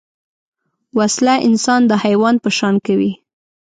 وسله انسان د حیوان په شان کوي